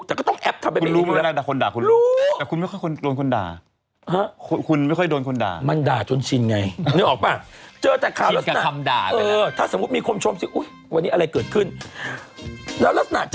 แต่ก็ต้องแอบทำไปไม่น่าซะ